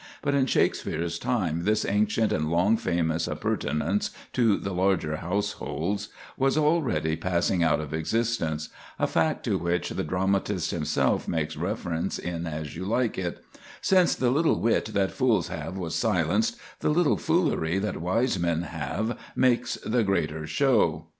But in Shakspere's time this ancient and long famous appurtenance to the larger households was already passing out of existence, a fact to which the dramatist himself makes reference in "As You Like It": "Since the little wit that fools have was silenced, the little foolery that wise men have makes the greater show."